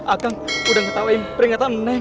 aku udah ketahuin peringatan neng